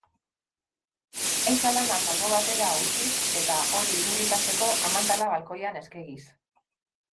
Zaintza lanak albo batera utziz eta hori irudikatzeko amantala balkoian eskegiz.